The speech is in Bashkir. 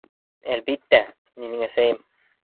Әлбиттә, минең әсәйем!